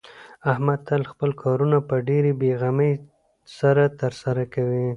احمد تل خپل کارونه په ډېرې بې غمۍ سره ترسره کوي.